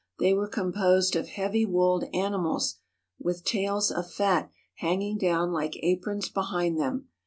They were composed of heavy wooled animals with tails of fat hanging down like aprons behind them.